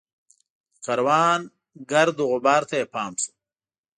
د کاروان ګرد وغبار ته یې پام شو.